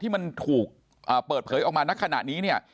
ที่มันถูกเปิดเผยออกมาณขณะนี้เนี่ย